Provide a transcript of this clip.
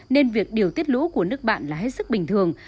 nên việc điều tiết lũ của nước bạn là hết sức bình thường